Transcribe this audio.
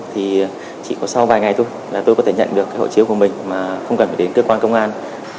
thì chỉ có sau vài ngày thôi là tôi có thể nhận được hộ chiếu của mình mà không cần phải đến cơ quan công an